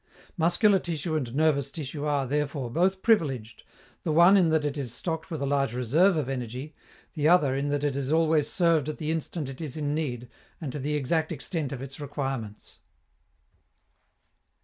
Muscular tissue and nervous tissue are, therefore, both privileged, the one in that it is stocked with a large reserve of energy, the other in that it is always served at the instant it is in need and to the exact extent of its requirements.